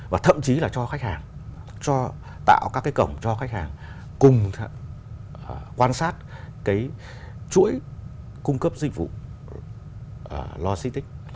và thậm chí là cho khách hàng tạo các cái cổng cho khách hàng cùng quan sát cái chuỗi cung cấp dịch vụ logistics